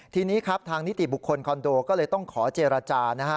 ทีนี้ครับทางนิติบุคคลคอนโดก็เลยต้องขอเจรจานะฮะ